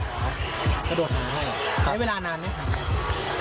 เห็นเวลานานไหมคะ